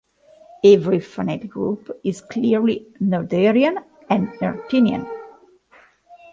Every finite group is clearly Noetherian and Artinian.